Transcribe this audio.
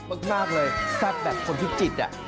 แซ่บมากเลยแซ่บแบบคนพิษจิต